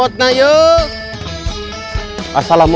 kalau ada apa apa